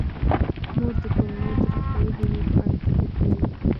مور د کورنۍ د روغتیايي بیمې په اړه فکر کوي.